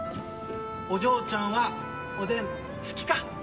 お嬢ちゃんはおでん好きか？